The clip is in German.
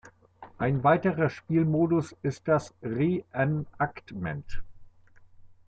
Ein weiterer Spielmodus ist das "Reenactment".